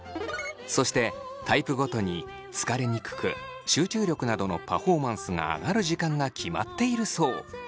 そしてタイプごとに疲れにくく集中力などのパフォーマンスが上がる時間が決まっているそう。